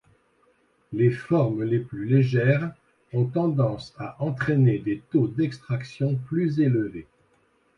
Les formes les plus légères ont tendance à entraîner des taux d'extraction plus élevés.